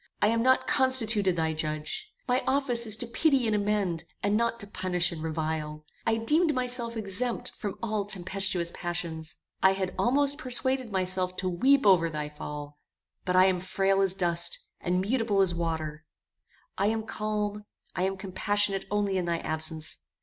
I am not constituted thy judge. My office is to pity and amend, and not to punish and revile. I deemed myself exempt from all tempestuous passions. I had almost persuaded myself to weep over thy fall; but I am frail as dust, and mutable as water; I am calm, I am compassionate only in thy absence.